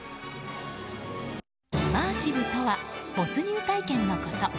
イマーシブとは没入体験のこと。